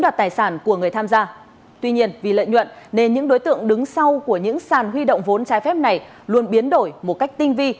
đối tượng đứng sau của những sàn huy động vốn trái phép này luôn biến đổi một cách tinh vi